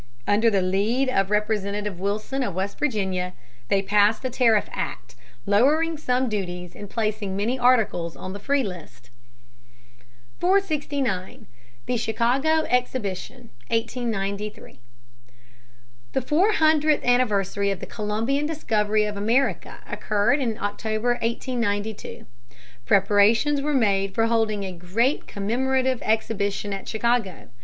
Under the lead of Representative Wilson of West Virginia they passed a tariff act, lowering some duties and placing many articles on the free list. [Sidenote: Chicago Exhibition, 1893.] 469. The Chicago Exhibition, 1893. The four hundredth anniversary of the Columbian discovery of America occurred in October, 1892. Preparations were made for holding a great commemorative exhibition at Chicago.